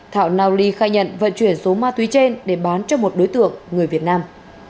thạo nao ly khai nhận vận chuyển số ma túy trên để bán cho một đối tượng người việt nam